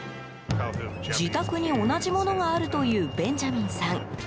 自宅に同じものがあるというベンジャミンさん。